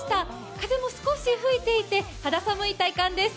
風も少し吹いていて肌寒い体感です。